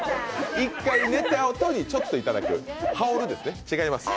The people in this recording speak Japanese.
一回寝たあとにちょっといただく、羽織るんですね。